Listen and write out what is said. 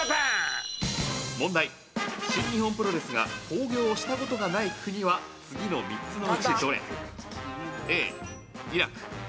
「問題新日本プロレスが興行をした事がない国は次の３つのうちどれ？」